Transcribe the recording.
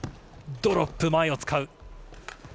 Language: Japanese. ドロップ、前を使う。